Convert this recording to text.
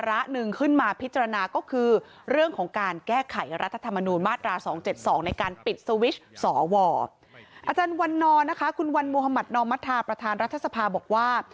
อาจารย์วันนอร์นะคะคุณวันมุธมัธนอมธาประธานรัฐสภาบอกว่า